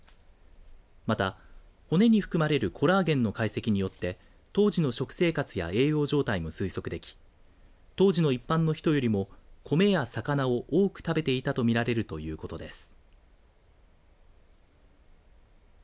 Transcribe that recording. また、骨に含まれるコラーゲンの解析によって当時の食生活や栄養状態も推測でき当時の一般の人よりも米や魚を多く食べていたと見られるということです。